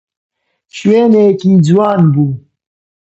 شوێنێکی جوان بوو.